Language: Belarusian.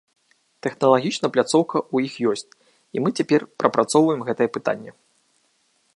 Тэхналагічна пляцоўка ў іх ёсць, і мы цяпер прапрацоўваем гэтае пытанне.